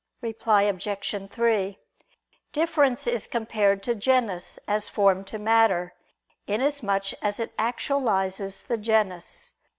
Reply Obj. 3: Difference is compared to genus as form to matter, inasmuch as it actualizes the genus.